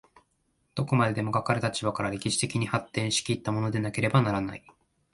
どこまでもかかる立場から歴史的に発展し来ったものでなければならない。